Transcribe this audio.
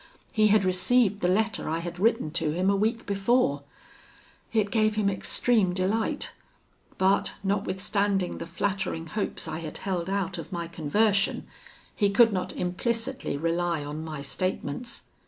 He had received the letter I had written to him a week before; it gave him extreme delight; but, notwithstanding the flattering hopes I had held out of my conversion, he could not implicitly rely on my statements.